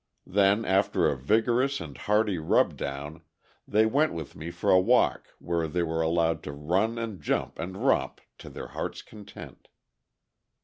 Then, after a vigorous and hearty rub down, they went with me for a walk where they were allowed to run and jump and romp to their heart's content.